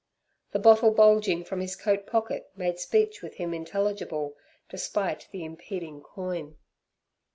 The bottle bulging from his coat pocket made speech with him intelligible, despite the impeding coin.